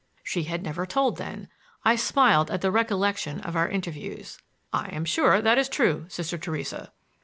She had never told, then! I smiled at the recollection of our interviews. "I am sure that is true, Sister Theresa."